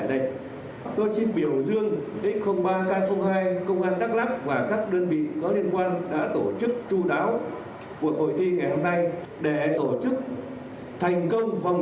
mặt khác đây còn là dịp để lực lượng công an biểu dương lực lượng